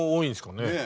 ねえ。